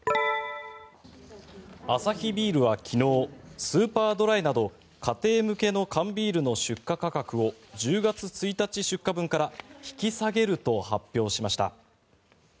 アサヒビールは昨日スーパードライなど家庭向けの缶ビールの出荷価格を１０月１日出荷分から引き下げると発表しました。